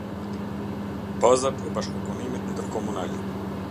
Bazat e bashkëpunimit ndër-komunal.